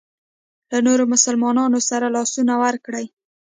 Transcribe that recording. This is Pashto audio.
له نورو مسلمانانو سره لاسونه ورکړي.